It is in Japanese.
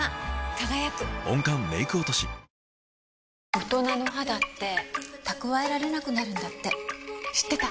大人の肌って蓄えられなくなるんだって知ってた？